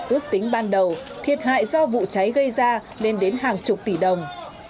ước tính ban đầu thiệt hại do vụ cháy gây ra lên đến hàng chục tỷ đồng